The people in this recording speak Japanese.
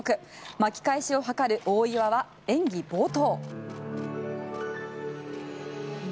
巻き返しを図る大岩は演技冒頭。